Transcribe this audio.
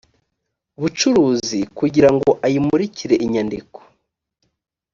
bucuruzi kugira ngo ayimurikire inyandiko